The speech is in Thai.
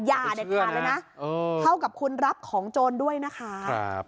อย่าเด็ดขาดเลยนะเท่ากับคุณรับของโจรด้วยนะคะ